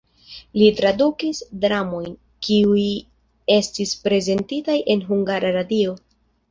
Li tradukis dramojn, kiuj estis prezentitaj en Hungara Radio.